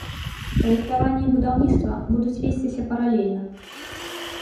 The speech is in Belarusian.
Праектаванне і будаўніцтва будуць весціся паралельна.